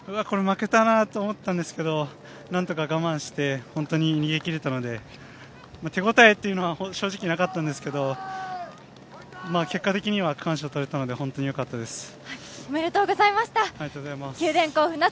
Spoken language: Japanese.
これは負けたなと思ったんですけど、何とか我慢して逃げ切れたので手応えというのは正直なかったんですけど結果的には区間賞が取れたので本当によかったです。